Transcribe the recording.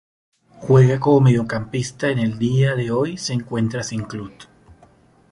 Juega como mediocampista y en el día de hoy se encuentra sin club.